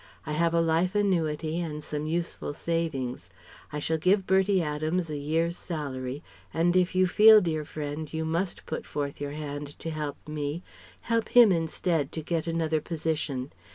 I have a life annuity and some useful savings. I shall give Bertie Adams a year's salary; and if you feel, dear friend, you must put forth your hand to help me, help him instead to get another position.